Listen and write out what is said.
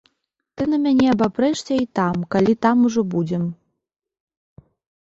Ты на мяне абапрэшся і там, калі там ужо будзем.